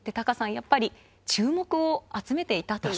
やっぱり注目を集めていたという。